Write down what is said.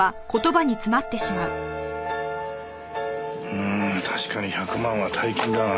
うん確かに１００万は大金だが。